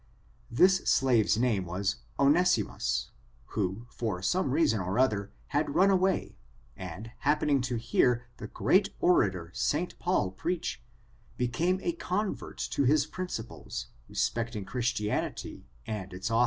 This slave's name was Onessimus, who, for some reason or other, had run away, and, happening to hear the great orator St. Paul preach, became 0 convert to his principles, respecting Christianity and its author.